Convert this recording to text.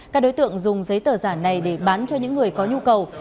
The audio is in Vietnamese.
các đối tượng dùng giấy tờ giả này để bán cho những người có nhu cầu